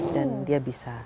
dan dia bisa